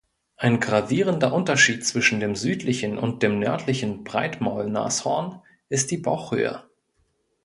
Ein gravierender Unterschied zwischen dem südlichen und dem nördlichen Breitmaulnashorn ist die Bauchhöhe.